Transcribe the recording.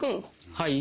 はい？